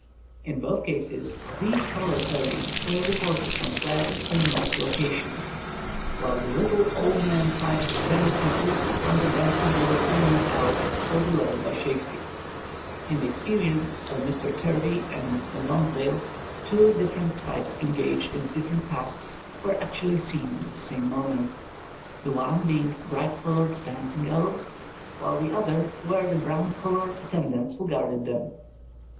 In both cases these taller fairies were reported from flat, plain like locations; while the little old man type varies completely from the dancing little feminine elf so beloved by Shakespeare. In the experience of Mr. Turvey and Mr. Lons dale, two different types engaged in different tasks were actually seen at the same moment, the one being bright coloured dancing elves, while the other were the brown coloured attendants who guarded them.